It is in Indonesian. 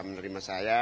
bisa menerima saya